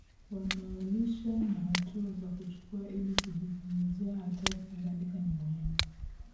wanaloishi na hatua za kuchukua ili kujipunguzia hatari Kadhalika ni muhimu